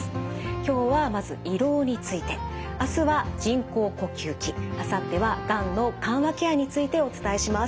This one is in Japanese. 今日はまず胃ろうについてあすは人工呼吸器あさってはがんの緩和ケアについてお伝えします。